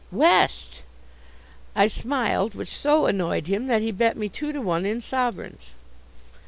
"West." I smiled, which so annoyed him that he bet me two to one in sovereigns.